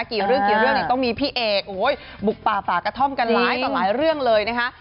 กี่เรื่องกี่เรื่องเนี่ยต้องมีพี่เอกบุกป่าฝากระท่อมกันหลายต่อหลายเรื่องเลยนะคะ